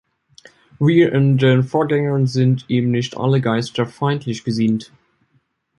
Wie in den Vorgängern sind ihm nicht alle Geister feindlich gesinnt.